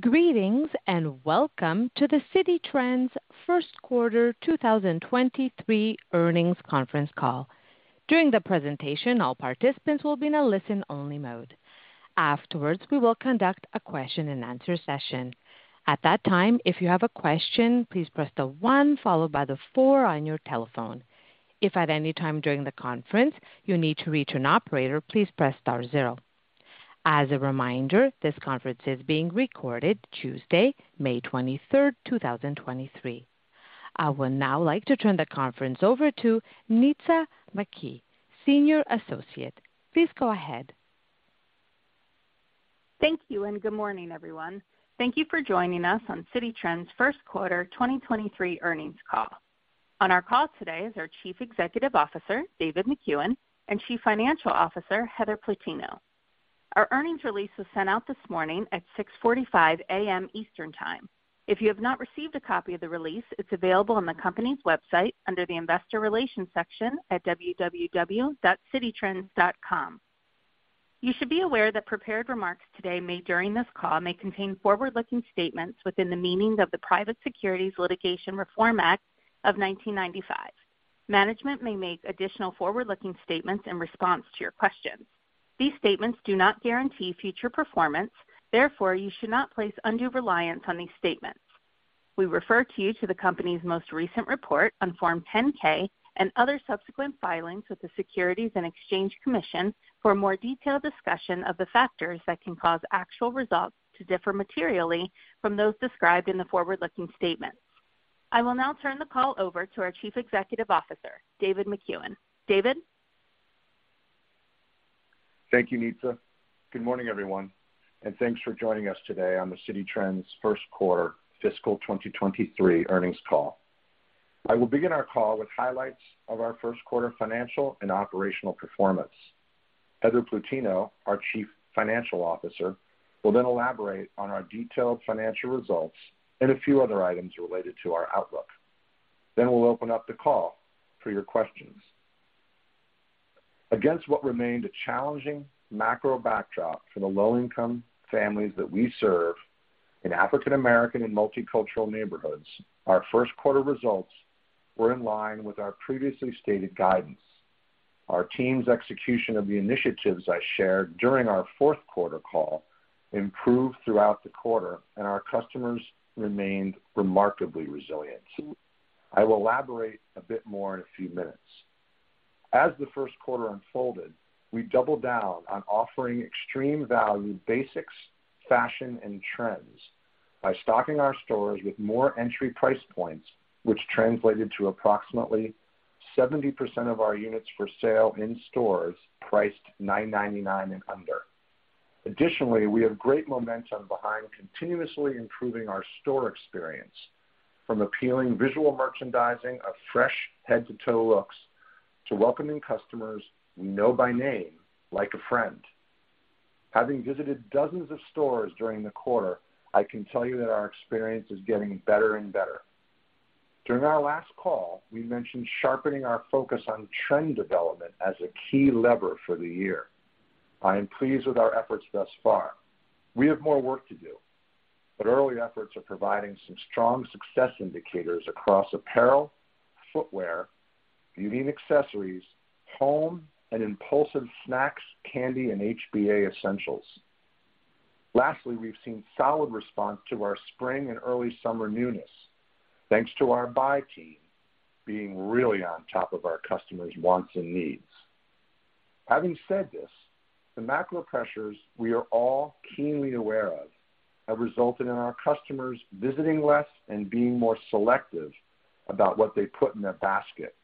Greetings, welcome to the Citi Trends First Quarter 2023 Earnings Conference Call. During the presentation, all participants will be in a listen-only mode. Afterwards, we will conduct a question-and-answer session. At that time, if you have a question, please press the one followed by the four on your telephone. If at any time during the conference you need to reach an operator, please press star zero. As a reminder, this conference is being recorded Tuesday, May 23rd, 2023. I would now like to turn the conference over to Nitza McKee, Senior Associate. Please go ahead. Thank you. Good morning, everyone. Thank you for joining us on Citi Trends First Quarter 2023 earnings call. On our call today is our Chief Executive Officer, David Makuen, and Chief Financial Officer, Heather Plutino. Our earnings release was sent out this morning at 6:45 A.M. Eastern Time. If you have not received a copy of the release, it's available on the company's website under the Investor Relations section at www.cititrends.com. You should be aware that prepared remarks today made during this call may contain forward-looking statements within the meanings of the Private Securities Litigation Reform Act of 1995. Management may make additional forward-looking statements in response to your questions. These statements do not guarantee future performance, therefore you should not place undue reliance on these statements. We refer to you to the company's most recent report on Form 10-K and other subsequent filings with the Securities and Exchange Commission for a more detailed discussion of the factors that can cause actual results to differ materially from those described in the forward-looking statements. I will now turn the call over to our Chief Executive Officer, David Makuen. David? Thank you, Nitza. Good morning, everyone, thanks for joining us today on the Citi Trends first quarter fiscal 2023 earnings call. I will begin our call with highlights of our first quarter financial and operational performance. Heather Plutino, our Chief Financial Officer, will elaborate on our detailed financial results and a few other items related to our outlook. We'll open up the call for your questions. Against what remained a challenging macro backdrop for the low income families that we serve in African American and multicultural neighborhoods, our first quarter results were in line with our previously stated guidance. Our team's execution of the initiatives I shared during our fourth quarter call improved throughout the quarter, our customers remained remarkably resilient. I will elaborate a bit more in a few minutes. As the first quarter unfolded, we doubled down on offering extreme value basics, fashion, and trends by stocking our stores with more entry price points, which translated to approximately 70% of our units for sale in stores priced $9.99 and under. We have great momentum behind continuously improving our store experience from appealing visual merchandising of fresh head to toe looks to welcoming customers we know by name like a friend. Having visited dozens of stores during the quarter, I can tell you that our experience is getting better and better. During our last call, we mentioned sharpening our focus on trend development as a key lever for the year. I am pleased with our efforts thus far. Early efforts are providing some strong success indicators across apparel, footwear, beauty and accessories, home, and impulsive snacks, candy, and HBA essentials. Lastly, we've seen solid response to our spring and early summer newness, thanks to our buy team being really on top of our customers' wants and needs. Having said this, the macro pressures we are all keenly aware of have resulted in our customers visiting less and being more selective about what they put in their basket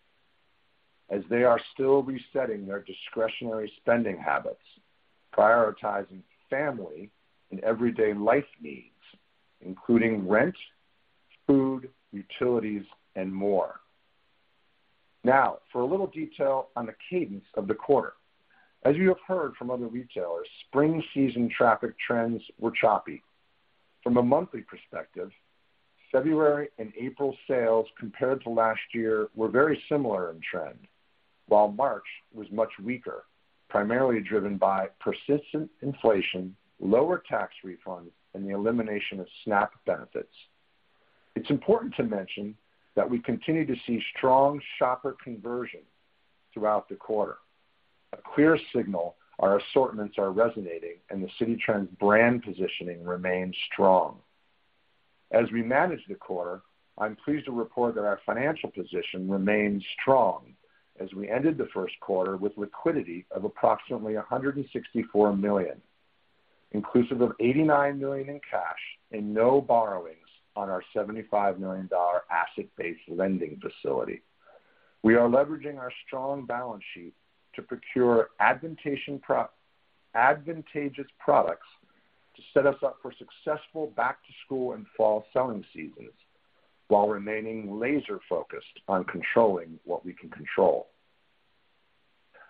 as they are still resetting their discretionary spending habits, prioritizing family and everyday life needs, including rent, food, utilities, and more. Now, for a little detail on the cadence of the quarter. As you have heard from other retailers, spring season traffic trends were choppy. From a monthly perspective, February and April sales compared to last year were very similar in trend, while March was much weaker, primarily driven by persistent inflation, lower tax refunds, and the elimination of SNAP benefits. It's important to mention that we continue to see strong shopper conversion throughout the quarter. A clear signal our assortments are resonating and the Citi Trends brand positioning remains strong. As we manage the quarter, I'm pleased to report that our financial position remains strong as we ended the first quarter with liquidity of approximately $164 million, inclusive of $89 million in cash and no borrowings on our $75 million asset-based lending facility. We are leveraging our strong balance sheet to procure advantageous products to set us up for successful back to school and fall selling seasons while remaining laser focused on controlling what we can control.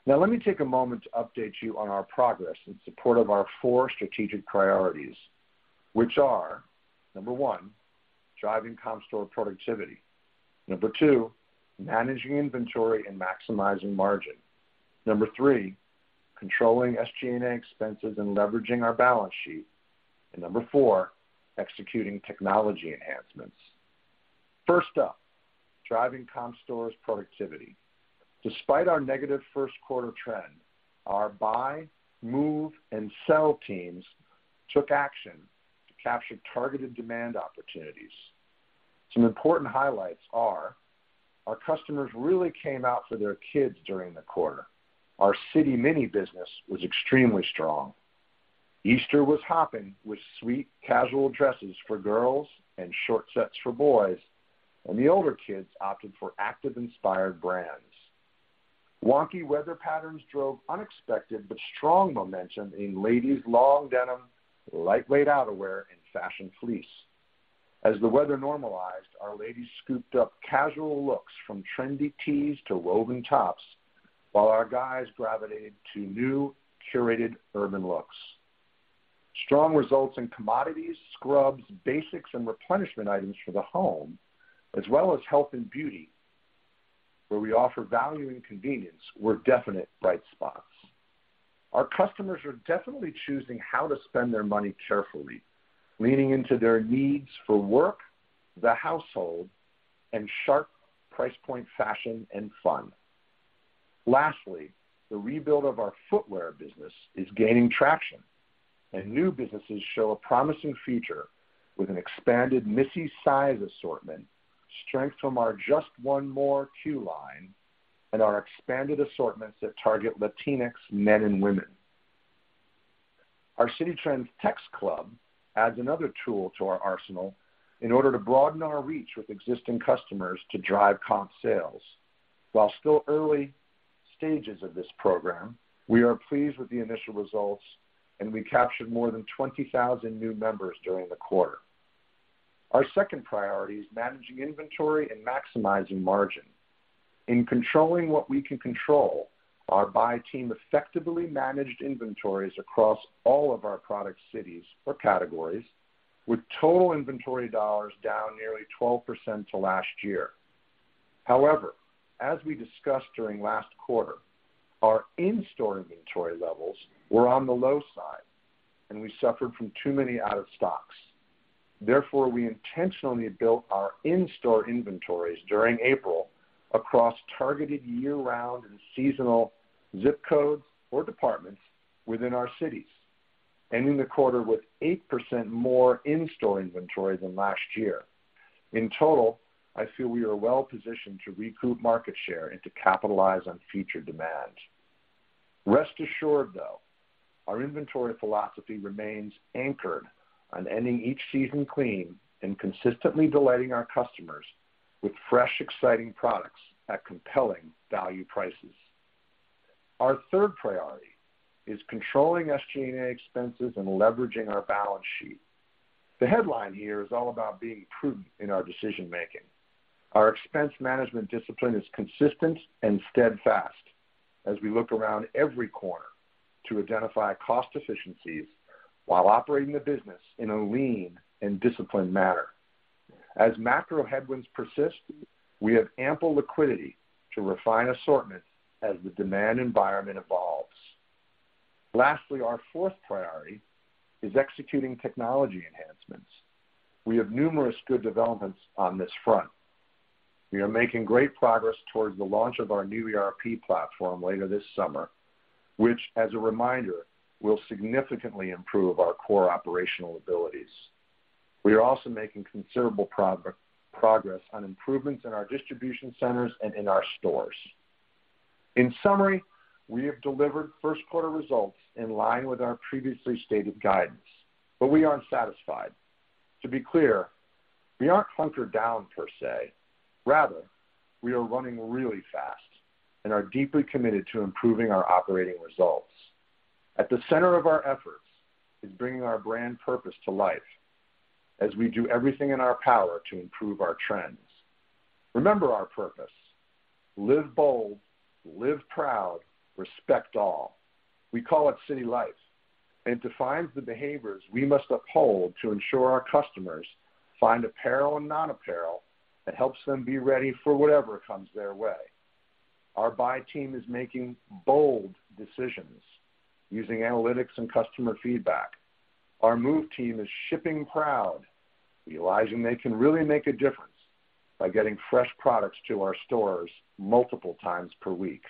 Now, let me take a moment to update you on our progress in support of our four strategic priorities, which are, number one, driving comp store productivity. Number two, managing inventory and maximizing margin. Number three, controlling SG&A expenses and leveraging our balance sheet. Number four, executing technology enhancements. First up, driving comp stores productivity. Despite our negative first quarter trend, our buy, move, and sell teams took action to capture targeted demand opportunities. Some important highlights are: our customers really came out for their kids during the quarter. Our Citi Mini business was extremely strong. Easter was hopping with sweet casual dresses for girls and short sets for boys, and the older kids opted for active inspired brands. Wonky weather patterns drove unexpected but strong momentum in ladies' long denim, lightweight outerwear, and fashion fleece. As the weather normalized, our ladies scooped up casual looks from trendy tees to woven tops, while our guys gravitated to new curated urban looks. Strong results in commodities, scrubs, basics, and replenishment items for the home, as well as health and beauty, where we offer value and convenience, were definite bright spots. Our customers are definitely choosing how to spend their money carefully, leaning into their needs for work, the household, and sharp price point fashion and fun. Lastly, the rebuild of our footwear business is gaining traction, and new businesses show a promising future with an expanded Missy size assortment, strength from the Just One More Q Line, and our expanded assortments that target Latinx men and women. Our Citi Trends text club adds another tool to our arsenal in order to broaden our reach with existing customers to drive comp sales. While still early stages of this program, we are pleased with the initial results, and we captured more than 20,000 new members during the quarter. Our second priority is managing inventory and maximizing margin. In controlling what we can control, our buy team effectively managed inventories across all of our product cities or categories with total inventory dollars down nearly 12% to last year. As we discussed during last quarter, our in-store inventory levels were on the low side, and we suffered from too many out of stocks. We intentionally built our in-store inventories during April across targeted year-round and seasonal ZIP codes or departments within our cities, ending the quarter with 8% more in-store inventory than last year. In total, I feel we are well-positioned to recoup market share and to capitalize on future demand. Rest assured, though, our inventory philosophy remains anchored on ending each season clean and consistently delighting our customers with fresh, exciting products at compelling value prices. Our third priority is controlling SG&A expenses and leveraging our balance sheet. The headline here is all about being prudent in our decision-making. Our expense management discipline is consistent and steadfast as we look around every corner to identify cost efficiencies while operating the business in a lean and disciplined manner. Macro headwinds persist, we have ample liquidity to refine assortment as the demand environment evolves. Our fourth priority is executing technology enhancements. We have numerous good developments on this front. We are making great progress towards the launch of our new ERP platform later this summer, which as a reminder, will significantly improve our core operational abilities. We are also making considerable progress on improvements in our distribution centers and in our stores. In summary, we have delivered first quarter results in line with our previously stated guidance, we aren't satisfied. To be clear, we aren't hunkered down per se. Rather, we are running really fast and are deeply committed to improving our operating results. At the center of our efforts is bringing our brand purpose to life as we do everything in our power to improve our trends. Remember our purpose: Live bold, live proud, respect all. We call it Citi Life, and it defines the behaviors we must uphold to ensure our customers find apparel and non-apparel that helps them be ready for whatever comes their way. Our buy team is making bold decisions using analytics and customer feedback. Our move team is shipping proud, realizing they can really make a difference by getting fresh products to our stores multiple times per week.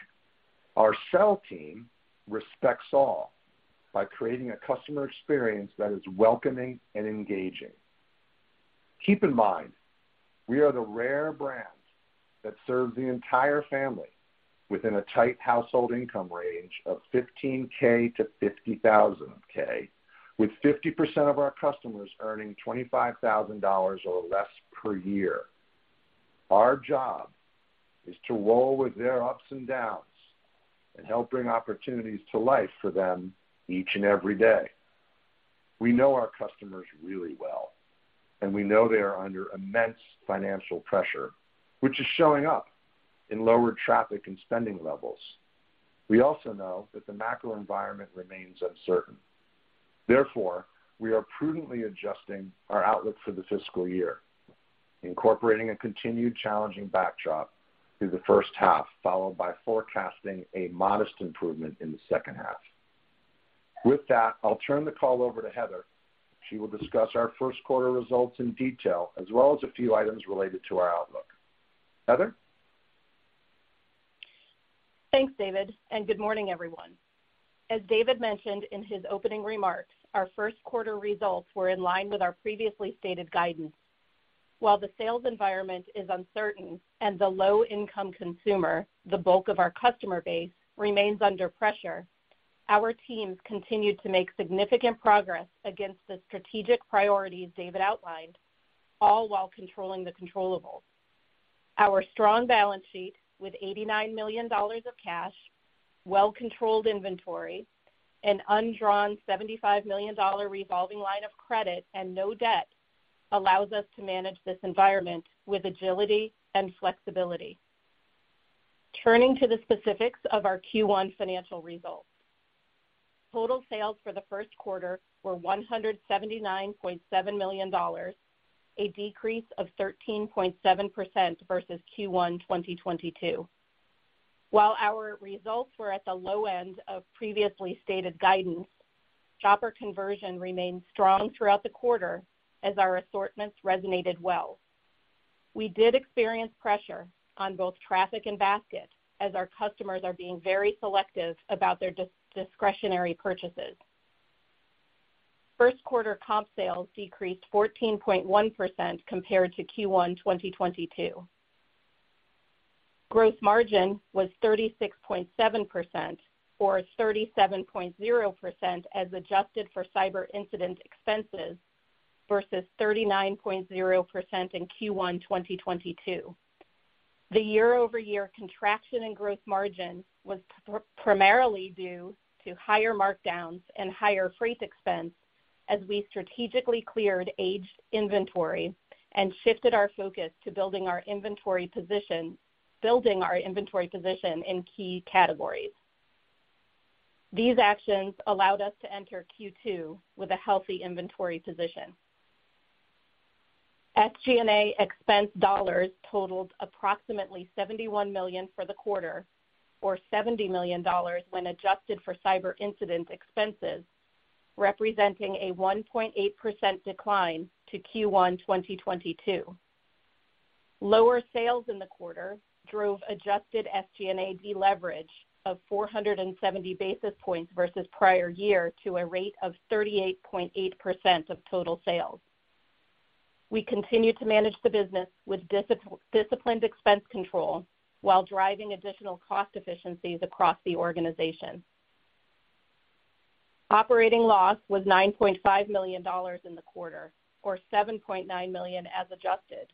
Our sell team respects all by creating a customer experience that is welcoming and engaging. Keep in mind, we are the rare brand that serves the entire family within a tight household income range of $15k-$50k, with 50% of our customers earning $25,000 or less per year. Our job is to roll with their ups and downs and help bring opportunities to life for them each and every day. We know our customers really well, and we know they are under immense financial pressure, which is showing up in lower traffic and spending levels. We also know that the macro environment remains uncertain. Therefore, we are prudently adjusting our outlook for the fiscal year. Incorporating a continued challenging backdrop through the first half, followed by forecasting a modest improvement in the second half. With that, I'll turn the call over to Heather. She will discuss our first quarter results in detail, as well as a few items related to our outlook. Heather? Thanks, David, good morning, everyone. As David mentioned in his opening remarks, our first quarter results were in line with our previously stated guidance. While the sales environment is uncertain and the low income consumer, the bulk of our customer base, remains under pressure, our teams continued to make significant progress against the strategic priorities David outlined, all while controlling the controllables. Our strong balance sheet with $89 million of cash, well-controlled inventory, an undrawn $75 million revolving line of credit and no debt allows us to manage this environment with agility and flexibility. Turning to the specifics of our Q1 financial results. Total sales for the first quarter were $179.7 million, a decrease of 13.7% versus Q1 2022. While our results were at the low end of previously stated guidance, shopper conversion remained strong throughout the quarter as our assortments resonated well. We did experience pressure on both traffic and basket as our customers are being very selective about their discretionary purchases. First quarter comp sales decreased 14.1% compared to Q1 2022. Gross margin was 36.7% or 37.0% as adjusted for cyber incident expenses versus 39.0% in Q1 2022. The year-over-year contraction in growth margin was primarily due to higher markdowns and higher freight expense as we strategically cleared aged inventory and shifted our focus to building our inventory position in key categories. These actions allowed us to enter Q2 with a healthy inventory position. SG&A expense dollars totaled approximately $71 million for the quarter, or $70 million when adjusted for cyber incident expenses, representing a 1.8% decline to Q1 2022. Lower sales in the quarter drove adjusted SG&A deleverage of 470 basis points versus prior year to a rate of 38.8% of total sales. We continued to manage the business with disciplined expense control while driving additional cost efficiencies across the organization. Operating loss was $9.5 million in the quarter, or $7.9 million as adjusted,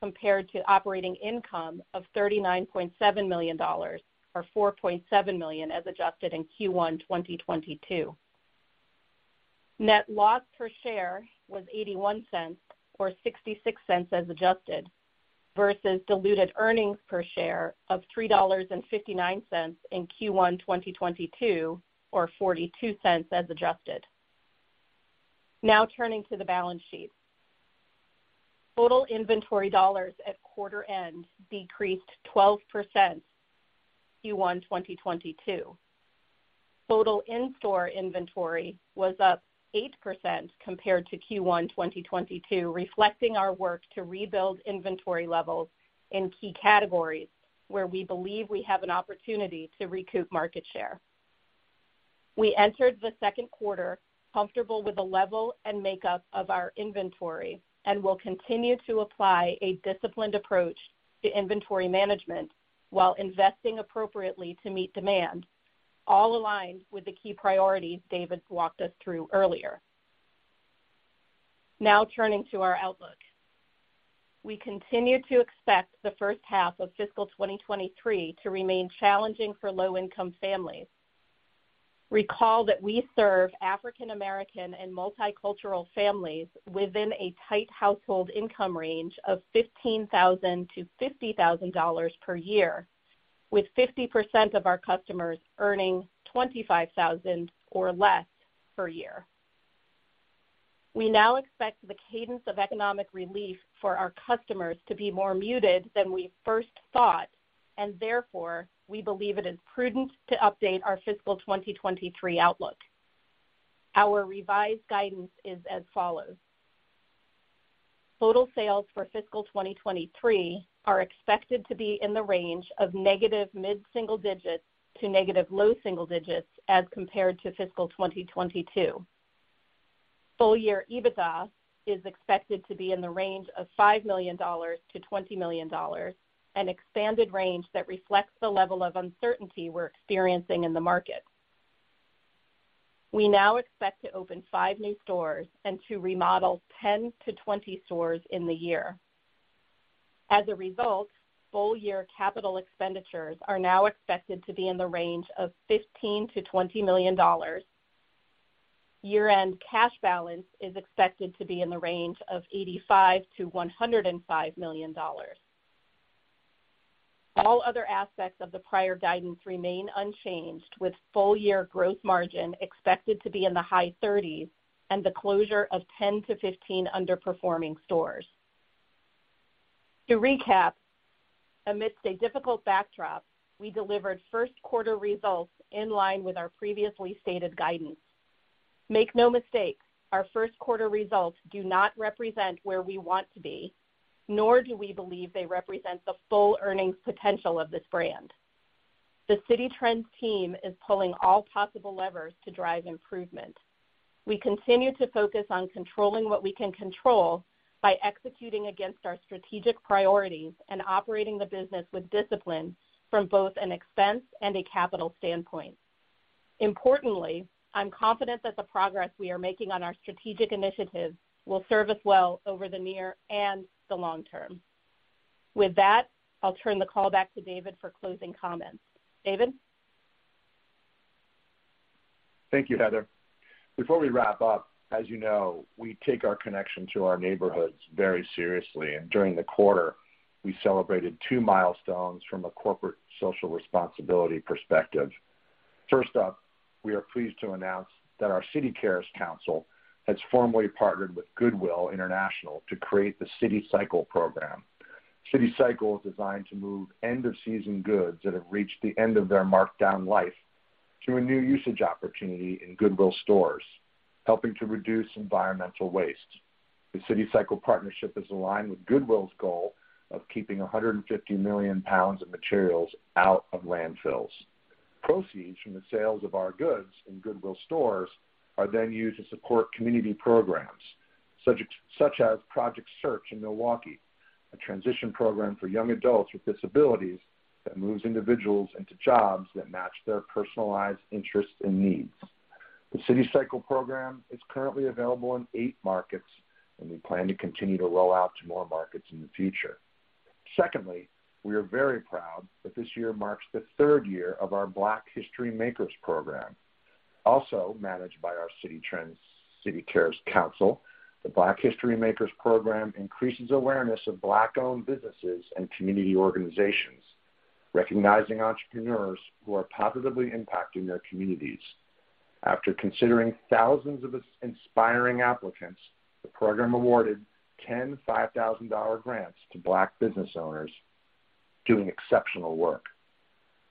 compared to operating income of $39.7 million, or $4.7 million as adjusted in Q1 2022. Net loss per share was $0.81 or $0.66 as adjusted, versus diluted earnings per share of $3.59 in Q1 2022, or $0.42 as adjusted. Turning to the balance sheet. Total inventory dollars at quarter end decreased 12% Q1 2022. Total in-store inventory was up 8% compared to Q1 2022, reflecting our work to rebuild inventory levels in key categories where we believe we have an opportunity to recoup market share. We entered the second quarter comfortable with the level and makeup of our inventory and will continue to apply a disciplined approach to inventory management while investing appropriately to meet demand, all aligned with the key priorities David walked us through earlier. Turning to our outlook. We continue to expect the first half of fiscal 2023 to remain challenging for low income families. Recall that we serve African American and multicultural families within a tight household income range of $15,000 to $50,000 per year, with 50% of our customers earning $25,000 or less per year. We now expect the cadence of economic relief for our customers to be more muted than we first thought and therefore, we believe it is prudent to update our fiscal 2023 outlook. Our revised guidance is as follows. Total sales for fiscal 2023 are expected to be in the range of negative mid-single digits to negative low single digits as compared to fiscal 2022. Full year EBITDA is expected to be in the range of $5 million to $20 million, an expanded range that reflects the level of uncertainty we're experiencing in the market. We now expect to open five new stores and to remodel 10-20 stores in the year. As a result, full year capital expenditures are now expected to be in the range of $15 million-$20 million. Year-end cash balance is expected to be in the range of $85 million-$105 million. All other aspects of the prior guidance remain unchanged, with full year growth margin expected to be in the high thirties and the closure of 10-15 underperforming stores. To recap, amidst a difficult backdrop, we delivered first quarter results in line with our previously stated guidance. Make no mistake, our first quarter results do not represent where we want to be, nor do we believe they represent the full earnings potential of this brand. The Citi Trends team is pulling all possible levers to drive improvement. We continue to focus on controlling what we can control by executing against our strategic priorities and operating the business with discipline from both an expense and a capital standpoint. Importantly, I'm confident that the progress we are making on our strategic initiatives will serve us well over the near and the long term. With that, I'll turn the call back to David for closing comments. David? Thank you, Heather. Before we wrap up, as you know, we take our connection to our neighborhoods very seriously. During the quarter, we celebrated two milestones from a corporate social responsibility perspective. First up, we are pleased to announce that our Citi Cares Council has formally partnered with Goodwill International to create the Citi cycle program. Citi cycle is designed to move end-of-season goods that have reached the end of their markdown life to a new usage opportunity in Goodwill stores, helping to reduce environmental waste. The Citi cycle partnership is aligned with Goodwill's goal of keeping 150 million pounds of materials out of landfills. Proceeds from the sales of our goods in Goodwill stores are used to support community programs, such as Project SEARCH in Milwaukee, a transition program for young adults with disabilities that moves individuals into jobs that match their personalized interests and needs. The Citi cycle program is currently available in eight markets, and we plan to continue to roll out to more markets in the future. Secondly, we are very proud that this year marks the third year of our Black History Makers program, also managed by our Citi Trends Citi Cares Council. The Black History Makers program increases awareness of Black-owned businesses and community organizations, recognizing entrepreneurs who are positively impacting their communities. After considering thousands of inspiring applicants, the program awarded 10 $5,000 grants to Black business owners doing exceptional work.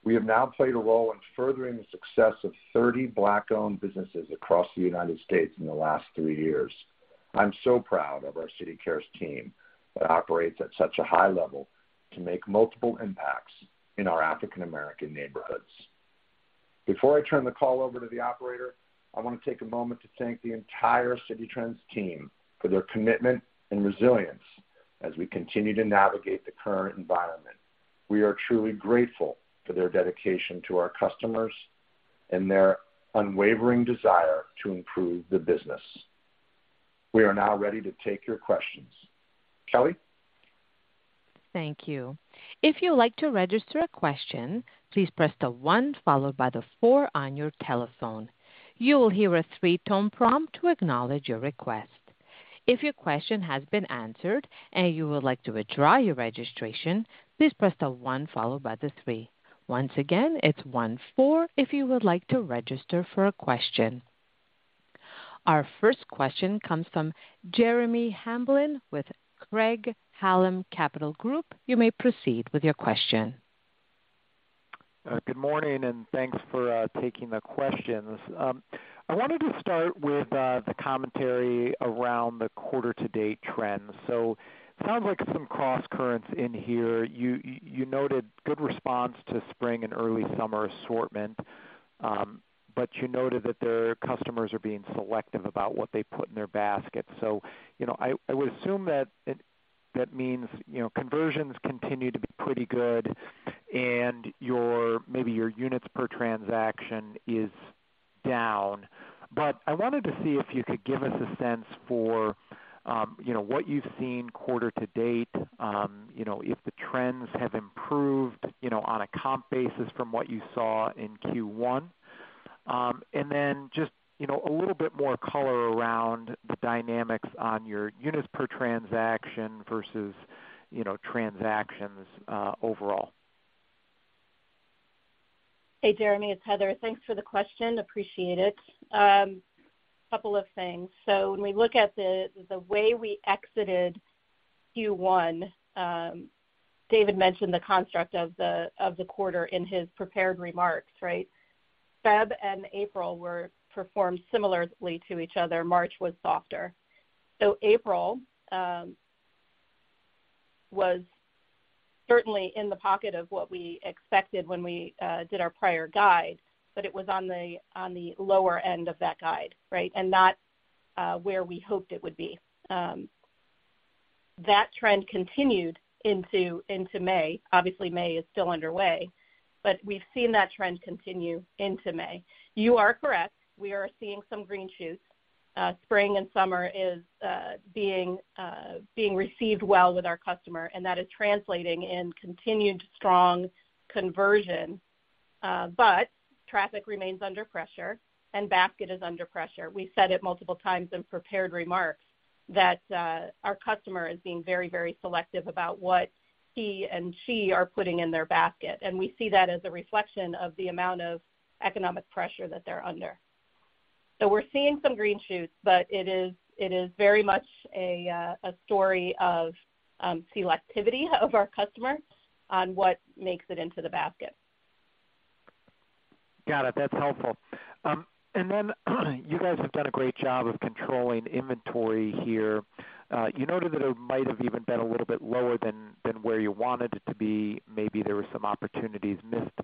We have now played a role in furthering the success of 30 Black-owned businesses across the U.S. in the last three years. I'm proud of our Citi Cares team that operates at such a high level to make multiple impacts in our African American neighborhoods. Before I turn the call over to the operator, I wanna take a moment to thank the entire Citi Trends team for their commitment and resilience as we continue to navigate the current environment. We are truly grateful for their dedication to our customers and their unwavering desire to improve the business. We are now ready to take your questions. Kelly? Thank you. If you'd like to register a question, please press the one followed by the four on your telephone. You will hear a three-tone prompt to acknowledge your request. If your question has been answered and you would like to withdraw your registration, please press the one followed by the three. Once again, it's one four if you would like to register for a question. Our first question comes from Jeremy Hamblin with Craig-Hallum Capital Group. You may proceed with your question. Good morning. Thanks for taking the questions. I wanted to start with the commentary around the quarter-to-date trends. Sounds like some crosscurrents in here. You, you noted good response to spring and early summer assortment. You noted that their customers are being selective about what they put in their basket. You know, I would assume that it means, you know, conversions continue to be pretty good and your, maybe your units per transaction is down. I wanted to see if you could give us a sense for, you know, what you've seen quarter-to-date, you know, if the trends have improved, you know, on a comp basis from what you saw in Q1. Just, you know, a little bit more color around the dynamics on your units per transaction versus, you know, transactions overall. Hey, Jeremy, it's Heather. Thanks for the question, appreciate it. Couple of things. When we look at the way we exited Q1, David mentioned the construct of the quarter in his prepared remarks, right? Feb and April were performed similarly to each other. March was softer. April was certainly in the pocket of what we expected when we did our prior guide, but it was on the lower end of that guide, right? Not where we hoped it would be. That trend continued into May. Obviously, May is still underway, but we've seen that trend continue into May. You are correct. We are seeing some green shoots. Spring and summer is being received well with our customer. That is translating in continued strong conversion. Traffic remains under pressure and basket is under pressure. We've said it multiple times in prepared remarks that our customer is being very selective about what he and she are putting in their basket. We see that as a reflection of the amount of economic pressure that they're under. We're seeing some green shoots. It is very much a story of selectivity of our customer on what makes it into the basket. Got it. That's helpful. You guys have done a great job of controlling inventory here. You noted that it might have even been a little bit lower than where you wanted it to be. Maybe there were some opportunities missed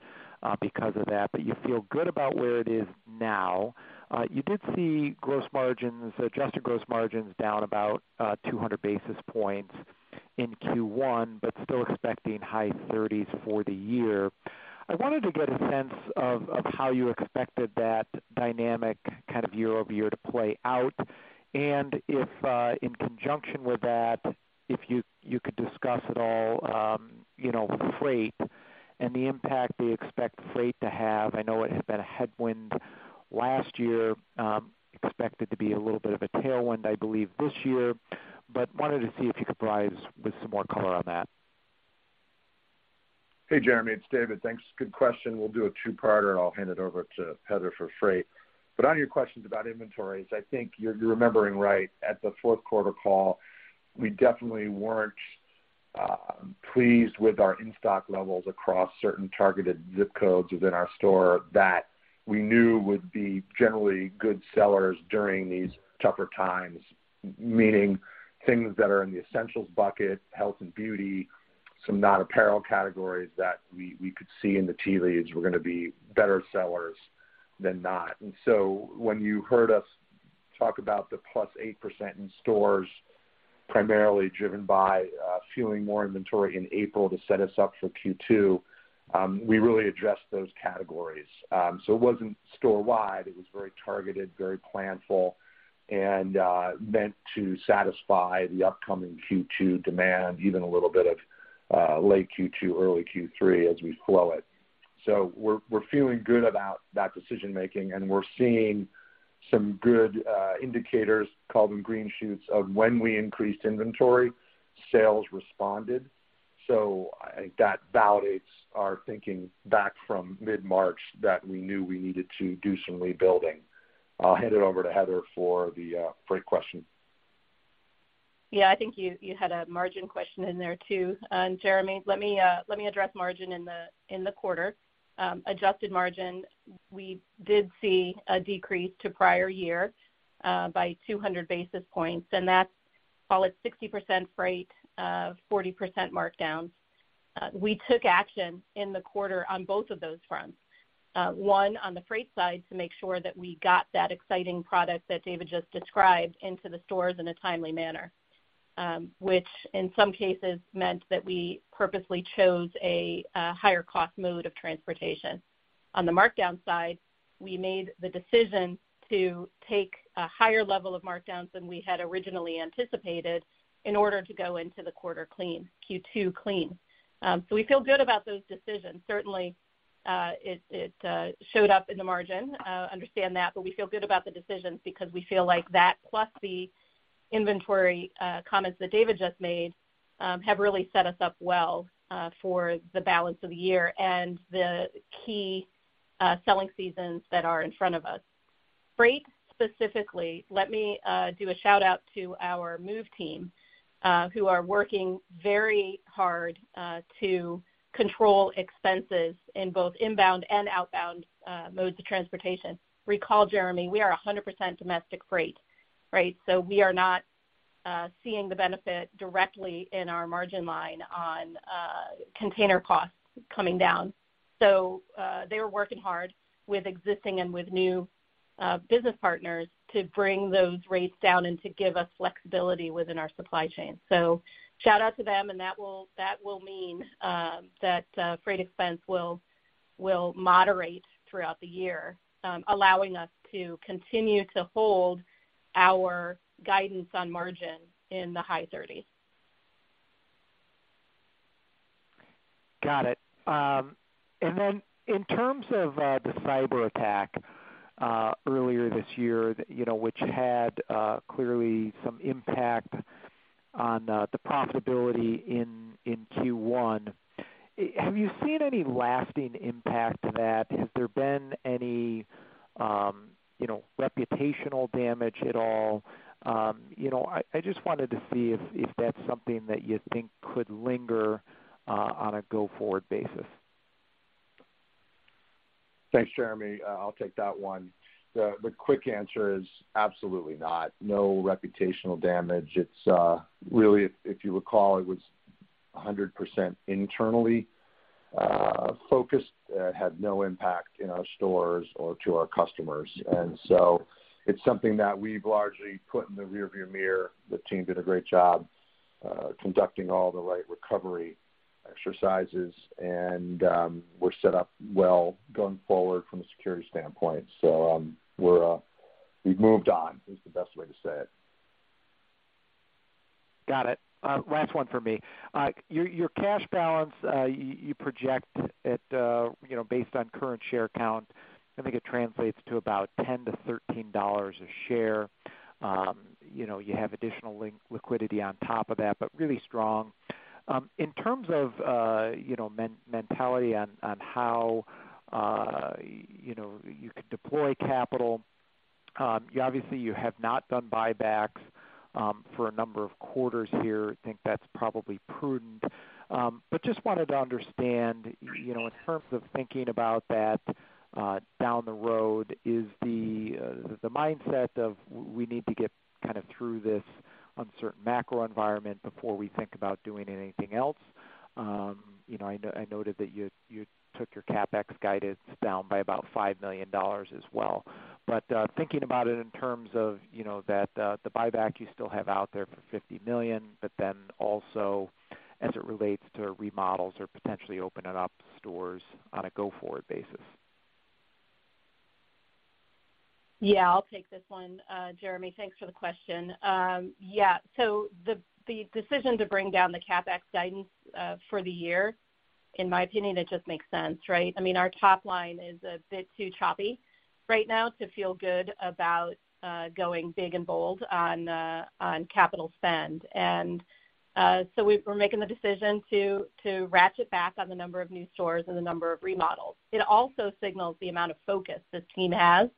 because of that, but you feel good about where it is now. You did see gross margins, adjusted gross margins down about 200 basis points in Q1, but still expecting high 30s for the year. I wanted to get a sense of how you expected that dynamic kind of year-over-year to play out and if in conjunction with that, if you could discuss at all, you know, freight and the impact that you expect freight to have. I know it had been a headwind last year, expected to be a little bit of a tailwind, I believe, this year, but wanted to see if you could provide us with some more color on that. Hey, Jeremy. It's David. Thanks. Good question. We'll do a two-parter, and I'll hand it over to Heather for freight. On your questions about inventories, I think you're remembering right. At the fourth quarter call, we definitely weren't pleased with our in-stock levels across certain targeted ZIP codes within our store that we knew would be generally good sellers during these tougher times, meaning things that are in the essentials bucket, health and beauty, some non-apparel categories that we could see in the tea leaves were gonna be better sellers than not. When you heard us talk about the +8% in stores, primarily driven by fueling more inventory in April to set us up for Q2, we really addressed those categories. It wasn't store-wide. It was very targeted, very planful and meant to satisfy the upcoming Q2 demand, even a little bit of late Q2, early Q3 as we flow it. We're, we're feeling good about that decision making, and we're seeing some good indicators, call them green shoots, of when we increased inventory, sales responded. I think that validates our thinking back from mid-March that we knew we needed to do some rebuilding. I'll hand it over to Heather for the freight question. Yeah. I think you had a margin question in there, too. Jeremy, let me address margin in the quarter. Adjusted margin, we did see a decrease to prior year by 200 basis points, and that's call it 60% freight, 40% markdowns. We took action in the quarter on both of those fronts. One, on the freight side to make sure that we got that exciting product that David described into the stores in a timely manner, which in some cases meant that we purposely chose a higher cost mode of transportation. On the markdown side, we made the decision to take a higher level of markdowns than we had originally anticipated in order to go into the quarter clean, Q2 clean. We feel good about those decisions. Certainly, it showed up in the margin, understand that, but we feel good about the decisions because we feel like that plus the inventory comments that David just made, have really set us up well for the balance of the year and the key selling seasons that are in front of us. Freight specifically, let me do a shout-out to our move team who are working very hard to control expenses in both inbound and outbound modes of transportation. Recall, Jeremy, we are 100% domestic freight, right? We are not seeing the benefit directly in our margin line on container costs coming down. They are working hard with existing and with new business partners to bring those rates down and to give us flexibility within our supply chain. Shout out to them, that will mean that freight expense will moderate throughout the year, allowing us to continue to hold our guidance on margin in the high thirties. Got it. In terms of the cyberattack earlier this year, you know, which had clearly some impact on the profitability in Q1, have you seen any lasting impact to that? Has there been any, you know, reputational damage at all? You know, I just wanted to see if that's something that you think could linger on a go-forward basis. Thanks, Jeremy. I'll take that one. The quick answer is absolutely not. No reputational damage. It's really, if you recall, it was 100% internally focused. It had no impact in our stores or to our customers. It's something that we've largely put in the rearview mirror. The team did a great job conducting all the right recovery exercises, and we're set up well going forward from a security standpoint. We're we've moved on is the best way to say it. Got it. Last one for me. Your cash balance, you project at, you know, based on current share count, I think it translates to about $10-$13 a share. You know, you have additional link liquidity on top of that, but really strong. In terms of, you know, mentality on how, you know, you could deploy capital, you obviously you have not done buybacks for a number of quarters here. I think that's probably prudent. Just wanted to understand, you know, in terms of thinking about that down the road, is the mindset of we need to get kind of through this uncertain macro environment before we think about doing anything else. I noted that you took your CapEx guidance down by about $5 million as well. Thinking about it in terms of, you know, that the buyback you still have out there for $50 million, then also as it relates to remodels or potentially opening up stores on a go-forward basis. I'll take this one, Jeremy. Thanks for the question. Yeah. The decision to bring down the CapEx guidance for the year, in my opinion, it just makes sense, right? I mean, our top line is a bit too choppy right now to feel good about going big and bold on capital spend. We're making the decision to ratchet back on the number of new stores and the number of remodels. It also signals the amount of focus this team has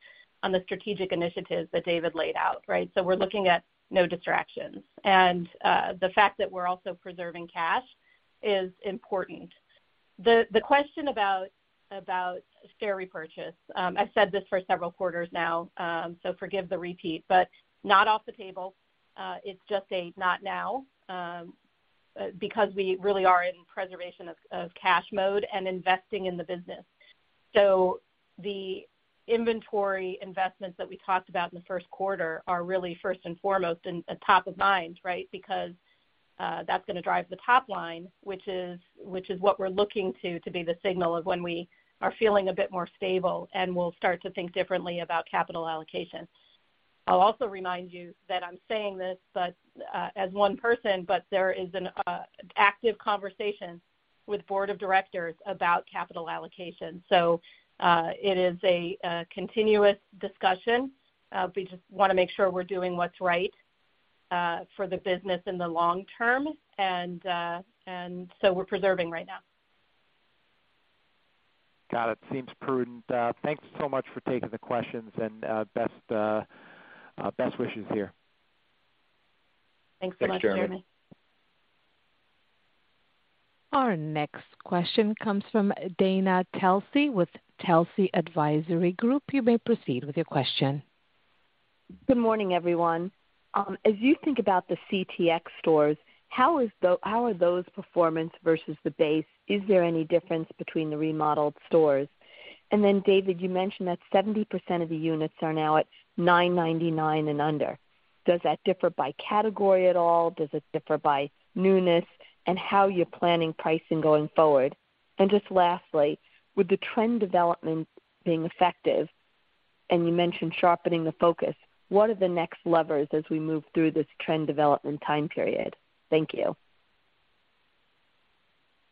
on the strategic initiatives that David laid out, right? The fact that we're also preserving cash is important. The question about share repurchase, I've said this for several quarters now, forgive the repeat, not off the table. It's just a not now because we really are in preservation of cash mode and investing in the business. The inventory investments that we talked about in the first quarter are really first and foremost and top of mind, right? That's gonna drive the top line, which is what we're looking to be the signal of when we are feeling a bit more stable, and we'll start to think differently about capital allocation. I'll also remind you that I'm saying this, but as one person, but there is an active conversation with board of directors about capital allocation. It is a continuous discussion. We just wanna make sure we're doing what's right for the business in the long term. We're preserving right now. Got it. Seems prudent. Thanks so much for taking the questions and best wishes here. Thanks so much, Jeremy. Thanks, Jeremy. Our next question comes from Dana Telsey with Telsey Advisory Group. You may proceed with your question. Good morning, everyone. As you think about the CTX stores, how are those performance versus the base? Is there any difference between the remodeled stores? David, you mentioned that 70% of the units are now at $9.99 and under. Does that differ by category at all? Does it differ by newness and how you're planning pricing going forward? Lastly, with the trend development being effective, and you mentioned sharpening the focus, what are the next levers as we move through this trend development time period? Thank you.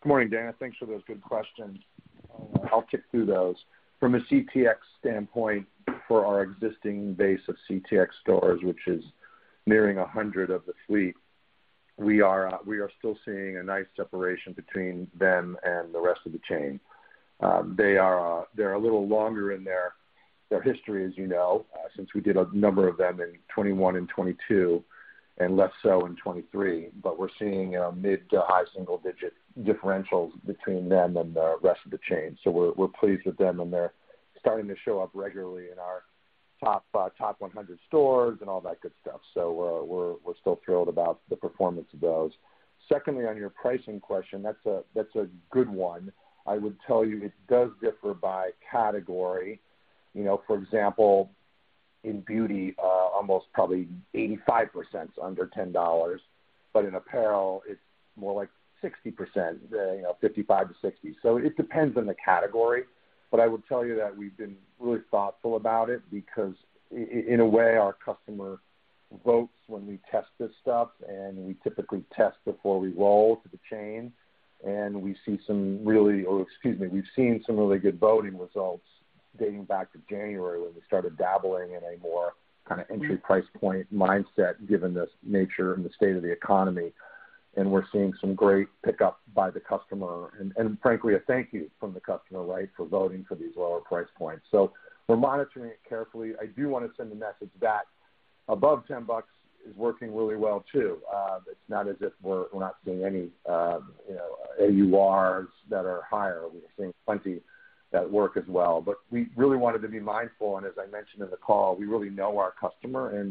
Good morning, Dana. Thanks for those good questions. I'll kick through those. From a CTX standpoint, for our existing base of CTX stores, which is nearing 100 of the fleet, we are still seeing a nice separation between them and the rest of the chain. They're a little longer in their history, as you know, since we did a number of them in 21 and 22 and less so in 23. We're seeing, you know, mid to high single digit differentials between them and the rest of the chain. We're pleased with them, and they're starting to show up regularly in our top 100 stores and all that good stuff. We're still thrilled about the performance of those. Secondly, on your pricing question, that's a good one. I would tell you it does differ by category. You know, for example, in beauty, almost probably 85% is under $10, but in apparel it's more like 60%, you know, 55%-60%. It depends on the category, but I would tell you that we've been really thoughtful about it because in a way, our customer votes when we test this stuff, and we typically test before we roll to the chain, and we've seen some really good voting results dating back to January when we started dabbling in a more kinda entry price point mindset, given this nature and the state of the economy. We're seeing some great pickup by the customer and frankly a thank you from the customer, right, for voting for these lower price points. We're monitoring it carefully. I do wanna send a message that above $10 is working really well too. It's not as if we're not seeing any, you know, AURs that are higher. We are seeing plenty that work as well. We really wanted to be mindful, and as I mentioned in the call, we really know our customer.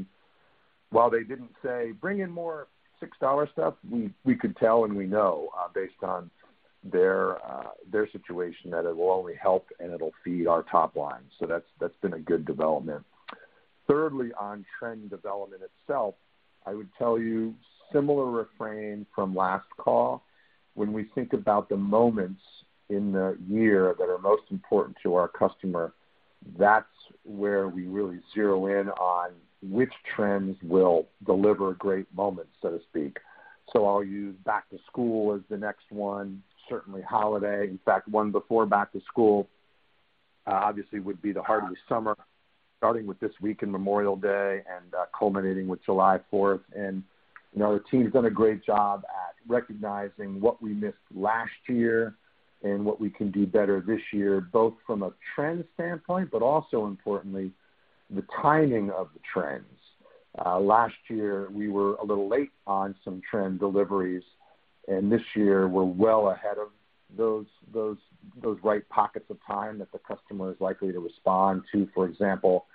While they didn't say, "Bring in more $6 stuff," we could tell and we know, based on their situation, that it will only help, and it'll feed our top line. That's been a good development. Thirdly, on trend development itself, I would tell you similar refrain from last call. When we think about the moments in the year that are most important to our customer. That's where we really zero in on which trends will deliver great moments, so to speak. I'll use back to school as the next one, certainly holiday. In fact, one before back to school, obviously would be the hardly summer, starting with this week in Memorial Day and culminating with July Fourth. You know, the team's done a great job at recognizing what we missed last year and what we can do better this year, both from a trend standpoint, but also importantly, the timing of the trends. Last year, we were a little late on some trend deliveries, and this year we're well ahead of those right pockets of time that the customer is likely to respond to, for example,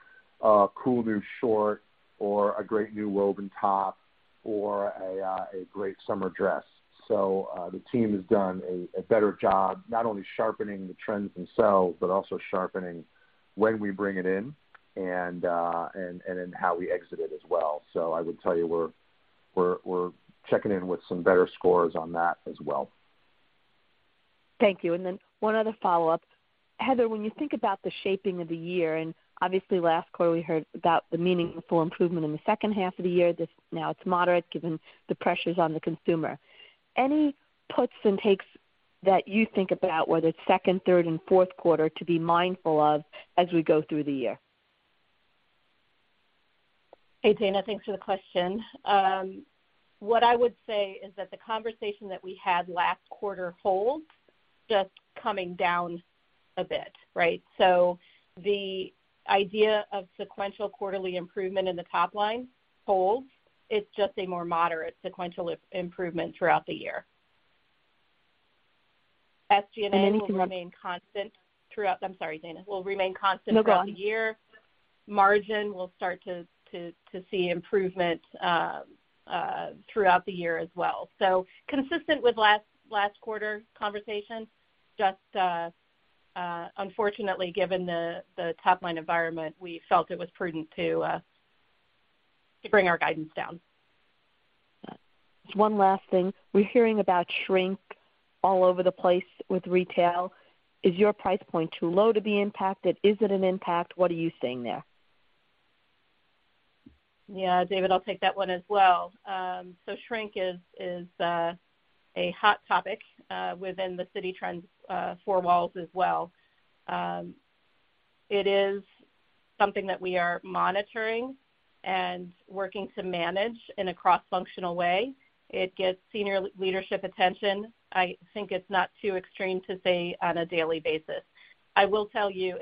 a cool new short or a great new robe and top or a great summer dress. The team has done a better job not only sharpening the trends themselves, but also sharpening when we bring it in and then how we exit it as well. I would tell you we're checking in with some better scores on that as well. Thank you. one other follow-up. Heather, when you think about the shaping of the year, obviously last quarter, we heard about the meaningful improvement in the second half of the year. now it's moderate given the pressures on the consumer. Any puts and takes that you think about, whether it's second, third, and fourth quarter to be mindful of as we go through the year? Hey, Dana. Thanks for the question. What I would say is that the conversation that we had last quarter holds, just coming down a bit, right? The idea of sequential quarterly improvement in the top line holds. It's just a more moderate sequential improvement throughout the year. SG&A will remain constant throughout the year. No, go on. Margin will start to see improvement throughout the year as well. Consistent with last quarter conversation, just, unfortunately, given the top-line environment, we felt it was prudent to bring our guidance down. One last thing. We're hearing about shrink all over the place with retail. Is your price point too low to be impacted? Is it an impact? What are you seeing there? Yeah, David, I'll take that one as well. Shrink is a hot topic within the Citi Trends four walls as well. It is something that we are monitoring and working to manage in a cross-functional way. It gets senior leadership attention, I think it's not too extreme to say, on a daily basis. I will tell you,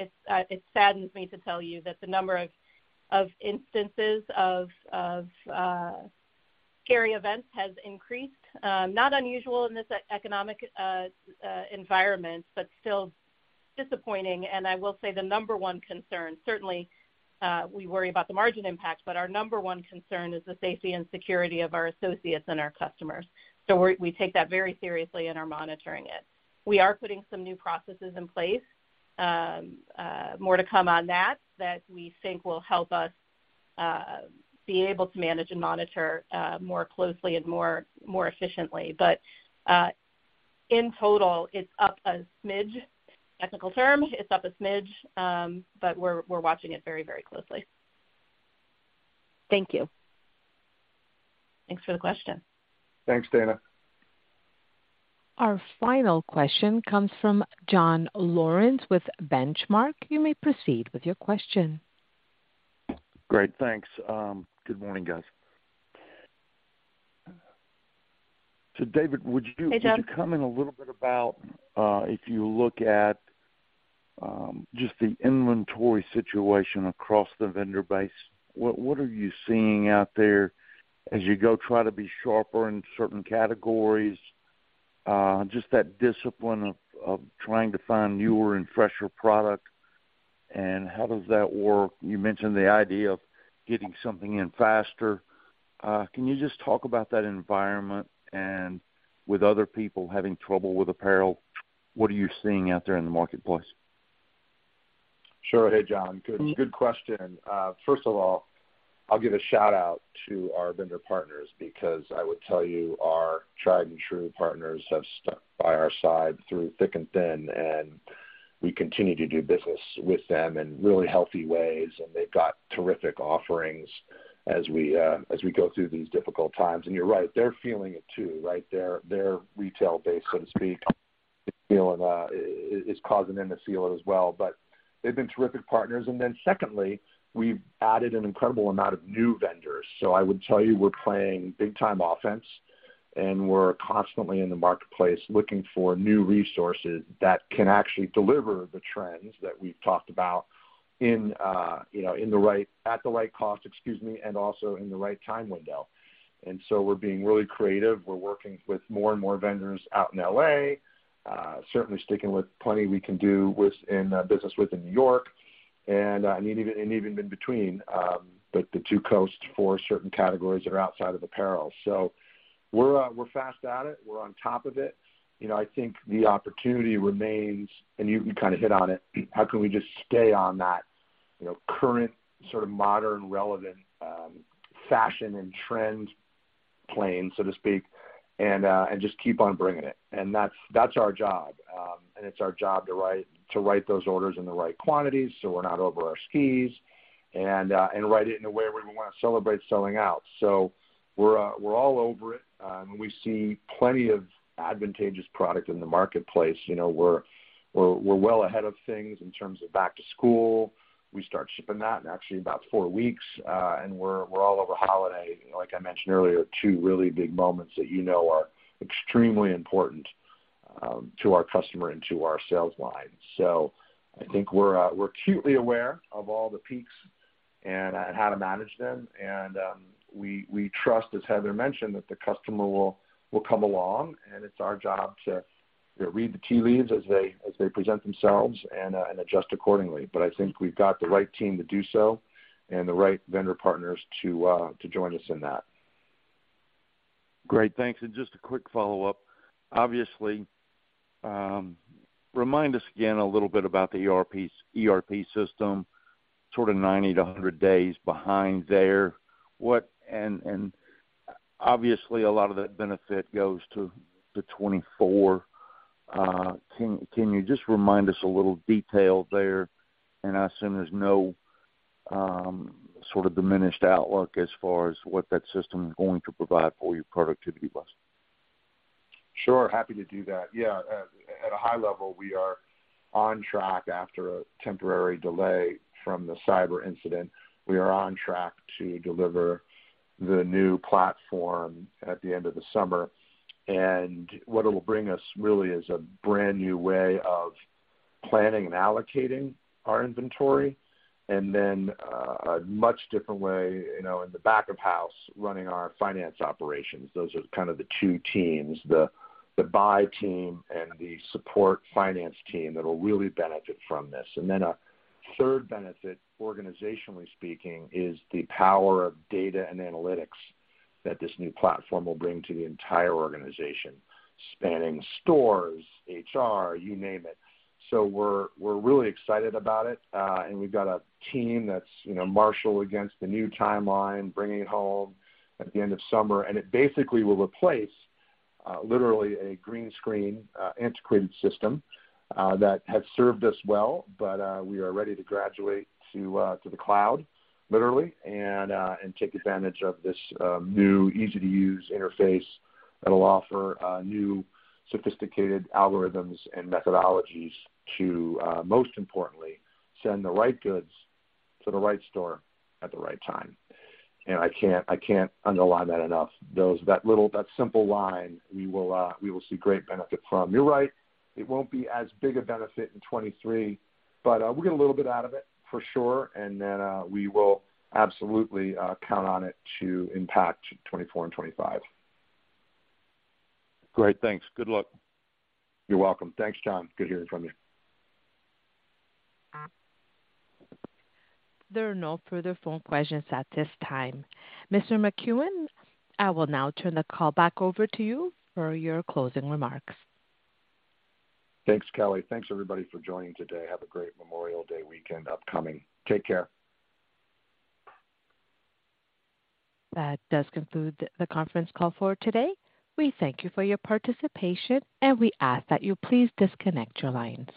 it saddens me to tell you that the number of instances of scary events has increased. Not unusual in this economic environment, still disappointing. I will say the number one concern, certainly, we worry about the margin impact, our number one concern is the safety and security of our associates and our customers. We take that very seriously and are monitoring it. We are putting some new processes in place, more to come on that we think will help us be able to manage and monitor more closely and more efficiently. In total, it's up a smidge. Technical term, it's up a smidge, but we're watching it very, very closely. Thank you. Thanks for the question. Thanks, Dana. Our final question comes from John Lawrence with Benchmark. You may proceed with your question. Great. Thanks. Good morning, guys. David. Hey, John. Would you comment a little bit about, if you look at, just the inventory situation across the vendor base, what are you seeing out there as you go try to be sharper in certain categories? Just that discipline of trying to find newer and fresher product, and how does that work? You mentioned the idea of getting something in faster. Can you just talk about that environment and with other people having trouble with apparel, what are you seeing out there in the marketplace? Sure. Hey, John. Good, good question. First of all, I'll give a shout-out to our vendor partners because I would tell you our tried and true partners have stuck by our side through thick and thin, and we continue to do business with them in really healthy ways, and they've got terrific offerings as we go through these difficult times. You're right, they're feeling it too, right? Their retail base, so to speak, is feeling, is causing them to feel it as well. They've been terrific partners. Secondly, we've added an incredible amount of new vendors. I would tell you we're playing big time offense, and we're constantly in the marketplace looking for new resources that can actually deliver the trends that we've talked about in, you know, at the right cost, excuse me, and also in the right time window. We're being really creative. We're working with more and more vendors out in L.A., certainly sticking with plenty we can do in business within New York and even, and even in between the two coasts for certain categories that are outside of apparel. We're fast at it. We're on top of it. You know, I think the opportunity remains, and you kind of hit on it, how can we just stay on that, you know, current sort of modern, relevant, fashion and trend plane, so to speak, and just keep on bringing it. That's our job. It's our job to write those orders in the right quantities so we're not over our skis and write it in a way where we wanna celebrate selling out. We're all over it. We see plenty of advantageous product in the marketplace. You know, we're well ahead of things in terms of back to school. We start shipping that in actually about four weeks, and we're all over holiday. I mentioned earlier, two really big moments that you know are extremely important to our customer and to our sales lines. I think we're acutely aware of all the peaks and how to manage them. We trust, as Heather mentioned, that the customer will come along and it's our job to read the tea leaves as they present themselves and adjust accordingly. I think we've got the right team to do so and the right vendor partners to join us in that. Great. Thanks. Just a quick follow-up. Obviously, remind us again a little bit about the ERP system, sort of 90-100 days behind there. Obviously a lot of that benefit goes to 2024. Can you just remind us a little detail there? I assume there's no sort of diminished outlook as far as what that system is going to provide for your productivity buzz. Sure. Happy to do that. Yeah. At a high level, we are on track after a temporary delay from the cyber incident. We are on track to deliver the new platform at the end of the summer. What it'll bring us really is a brand new way of planning and allocating our inventory, and then a much different way, you know, in the back of house running our finance operations. Those are kind of the two teams, the buy team and the support finance team that will really benefit from this. Then a third benefit, organizationally speaking, is the power of data and analytics that this new platform will bring to the entire organization, spanning stores, HR, you name it. We're really excited about it, and we've got a team that's, you know, marshaled against the new timeline, bringing it home at the end of summer. It basically will replace, literally a green screen, antiquated system, that has served us well, but we are ready to graduate to the cloud, literally, and take advantage of this new easy-to-use interface that'll offer new sophisticated algorithms and methodologies to, most importantly, send the right goods to the right store at the right time. I can't underline that enough. That simple line, we will see great benefit from. You're right, it won't be as big a benefit in 23, but we'll get a little bit out of it for sure, and then we will absolutely count on it to impact 24 and 25. Great. Thanks. Good luck. You're welcome. Thanks, John. Good hearing from you. There are no further phone questions at this time. Mr. Makuen, I will now turn the call back over to you for your closing remarks. Thanks, Kelly. Thanks, everybody, for joining today. Have a great Memorial Day weekend upcoming. Take care. That does conclude the conference call for today. We thank you for your participation. We ask that you please disconnect your lines.